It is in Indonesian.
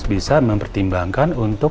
bisa mempertimbangkan untuk